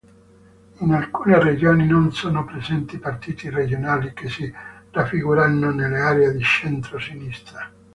In alcune Regioni non sono presenti partiti regionali che si raffigurano nell'area di Centro-Sinistra.